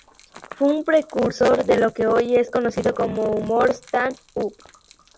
Fue un precursor de lo que hoy es conocido como humor stand-up.